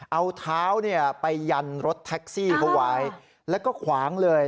เอาเท้าเนี่ยไปยันรถแท็กซี่เขาไว้แล้วก็ขวางเลย